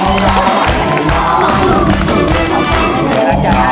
กองร้านร้าน